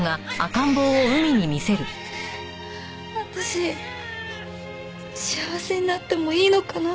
私幸せになってもいいのかな？